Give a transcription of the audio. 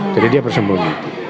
jadi dia bersembunyi